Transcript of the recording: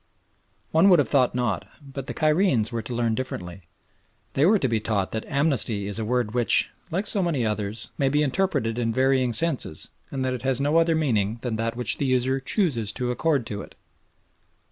One would have thought not, but the Cairenes were to learn differently. They were to be taught that "amnesty" is a word which, like so many others, may be interpreted in varying senses, and that it has no other meaning than that which the user chooses to accord to it.